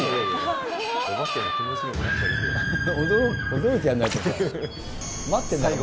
驚いてやんないと。